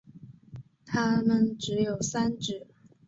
它们只有三趾。